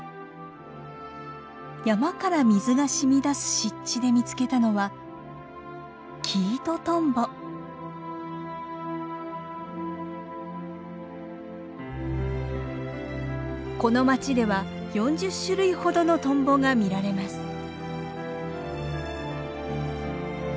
山から水が染み出す湿地で見つけたのはこの町では４０種類ほどのトンボが見られます。